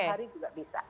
satu hari juga bisa